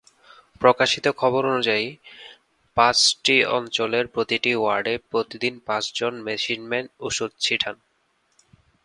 প্রকাশিত খবর অনুযায়ী, পাঁচটি অঞ্চলের প্রতিটি ওয়ার্ডে প্রতিদিন পাঁচজন মেশিনম্যান ওষুধ ছিটান।